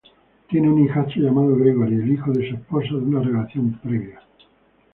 Tiene un hijastro llamado Gregory, el hijo de su esposa de una relación previa.